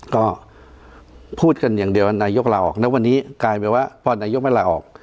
ก็พูดกันอย่างเดียวว่านายกลาออกแล้ววันนี้กลายเป็นว่าพอนายกไม่ลาออก